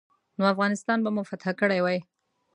نو افغانستان به مو فتح کړی وای.